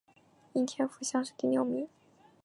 应天府乡试第六名。